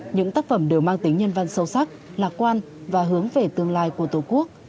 những tác phẩm đều mang tính nhân văn sâu sắc lạc quan và hướng về tương lai của tổ quốc